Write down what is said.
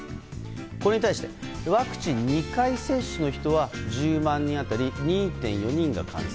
これに対してワクチン２回接種の人は１０万人当たり２．４人が感染。